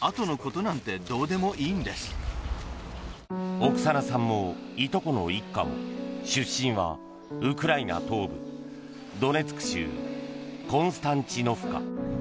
オクサナさんもいとこの一家も出身はウクライナ東部ドネツク州コンスタンチノフカ。